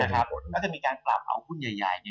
ก็จะมีการปรับของหุ้นใหญ่ใหญ่